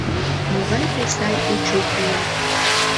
Могай тый сай Эчук улат.